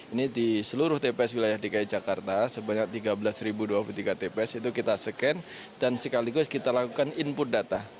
ini di seluruh tps wilayah dki jakarta sebanyak tiga belas dua puluh tiga tps itu kita scan dan sekaligus kita lakukan input data